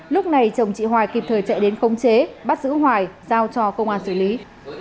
lúc này chồng chị hoài kịp thời chạy đến khống chế bắt giữ hoài giao cho công an xử lý